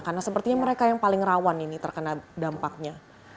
karena sepertinya mereka yang paling rawan ini terkena dampaknya